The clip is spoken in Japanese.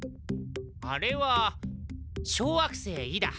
あれは小惑星イダ。